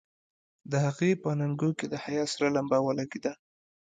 د هغې په اننګو کې د حيا سره لمبه ولګېده.